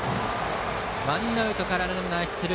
ワンアウトから、ランナー出塁。